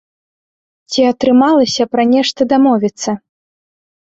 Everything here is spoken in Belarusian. Ці атрымалася пра нешта дамовіцца?